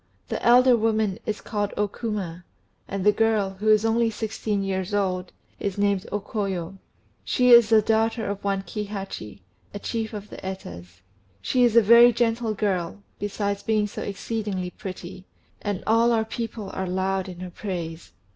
The elder woman is called O Kuma, and the girl, who is only sixteen years old, is named O Koyo. She is the daughter of one Kihachi, a chief of the Etas. She is a very gentle girl, besides being so exceedingly pretty; and all our people are loud in her praise."